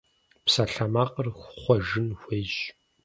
Псалъэмакъыр хъуэжын хуейщ.